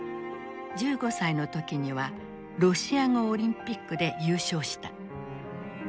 １５歳の時にはロシア語オリンピックで優勝した。